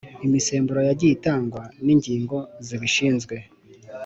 imisemburo yagiye itangwa n’ingingo zibishinzwe ,